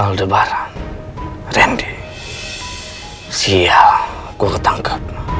aldebaran rendy siya kuretang ke